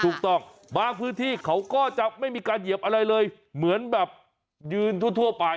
ถูกต้องบางพื้นที่เขาก็จะไม่มีการเหยียบอะไรเลยเหมือนแบบยืนทั่วไป